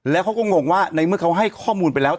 แล้วเขาก็งงว่าในเมื่อเขาให้ข้อมูลไปแล้ว